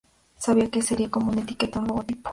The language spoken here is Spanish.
Sabía que sería como una etiqueta, un logotipo.